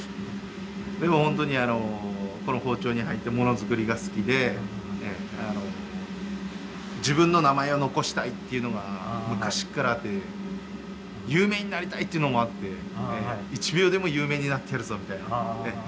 でも本当にこの包丁に入ってものづくりが好きで自分の名前を残したいっていうのが昔っからあって有名になりたいっていうのもあって一秒でも有名になってやるぞみたいな。